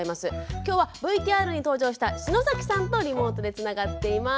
今日はＶＴＲに登場した篠崎さんとリモートでつながっています。